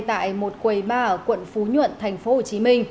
tại một quầy ba ở quận phú nhuận tp hcm